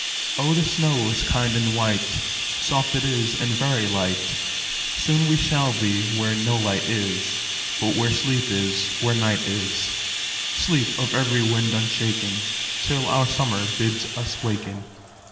Oh, the snow is kind and white,—Soft it is, and very light; Soon we shall be where no light is, But where sleep is, and where night is,—Sleep of every wind unshaken, Till our Summer bids us waken."